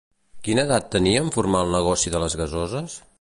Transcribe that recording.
Quina edat tenia en formar el negoci de les gasoses?